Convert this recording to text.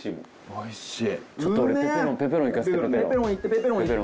おいしい！